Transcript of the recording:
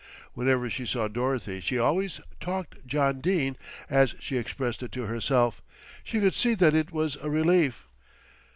Whenever she saw Dorothy she always "talked John Dene," as she expressed it to herself. She could see that it was a relief.